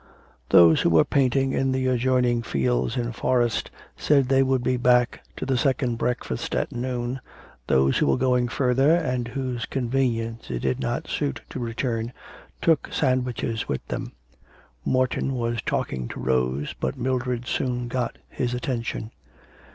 Those who were painting in the adjoining fields and forest said they would be back to the second breakfast at noon, those who were going further, and whose convenience it did not suit to return, took sandwiches with them. Morton was talking to Rose, but Mildred soon got his attention.